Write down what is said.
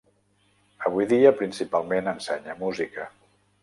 Avui dia, principalment ensenya música.